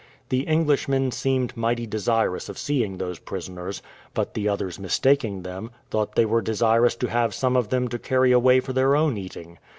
The Englishmen seemed mighty desirous of seeing those prisoners; but the others mistaking them, thought they were desirous to have some of them to carry away for their own eating.